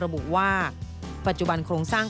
ระบุว่าปัจจุบันโครงสร้าง